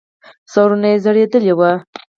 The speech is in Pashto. سرونه يې ځړېدلې وو.